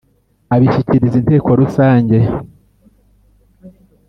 Abishyikiriza inteko rusange .